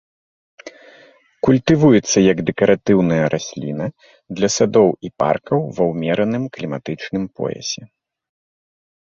Культывуецца як дэкаратыўная расліна для садоў і паркаў ва ўмераным кліматычным поясе.